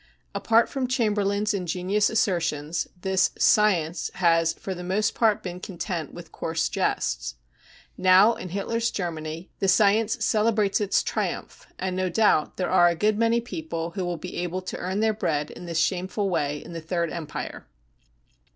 Apart from Chamber lain's ingenious assertions, this <e science 55 has for the most part been content with coarse jests. Now, in Hitler's I Germany, the science celebrates its triumph, and no | doubt there are a good many people who will be able to earn their bread in this shameful way in the Third Empire.